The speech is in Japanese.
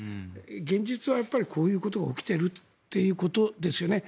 現実はこういうことが起きているっていうことですよね。